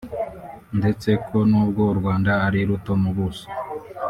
ndetse ko nubwo u Rwanda ari ruto mu buso